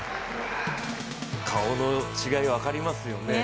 顔の違い、分かりますよね。